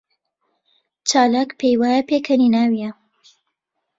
چالاک پێی وایە پێکەنیناوییە.